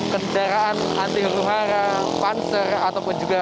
kendaraan anti ruhara panser ataupun juga